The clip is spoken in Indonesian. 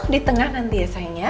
di tengah nanti ya sayang